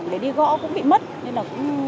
để đi gõ cũng bị mất nên là